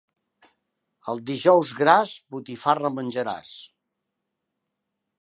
El Dijous Gras, botifarra menjaràs.